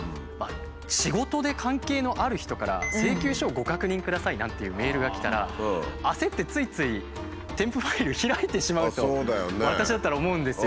仕事で関係のある人から「請求書をご確認ください」なんていうメールが来たら焦ってついつい添付ファイル開いてしまうと私だったら思うんですよ。